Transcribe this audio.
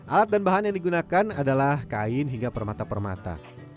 alat dan bahan yang digunakan adalah kain hingga permata permata